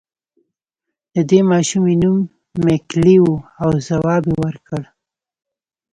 د دې ماشومې نوم ميکلي و او ځواب يې ورکړ.